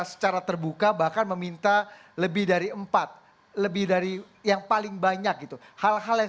secara terbuka bahkan meminta lebih dari empat lebih dari yang paling banyak gitu hal hal yang